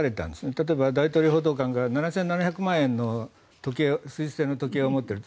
例えば、大統領報道官が７７００万円のスイス製の時計を持っている。